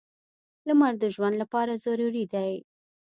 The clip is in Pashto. • لمر د ژوند لپاره ضروري دی.